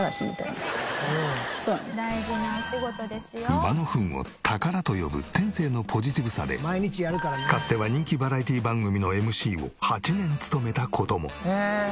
馬のフンを「宝」と呼ぶ天性のポジティブさでかつては人気バラエティ番組のＭＣを８年務めた事も。